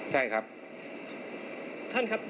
ใช่ครับ